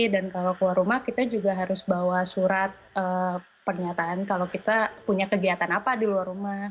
dan kalau keluar rumah kita juga harus bawa surat pernyataan kalau kita punya kegiatan apa di luar rumah